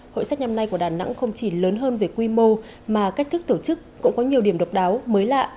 hội sách năm nay của đà nẵng không chỉ lớn hơn về quy mô mà cách thức tổ chức cũng có nhiều điểm độc đáo mới lạ